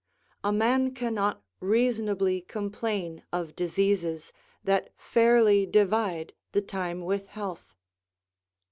A man cannot reasonably complain of diseases that fairly divide the time with health."